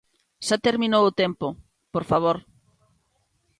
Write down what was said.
Xa terminou o tempo, por favor.